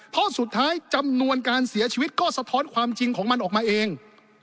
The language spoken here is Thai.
เพราะสุดท้ายจำนวนการเสียชีวิตก็สะท้อนความจริงของมันออกมาเอง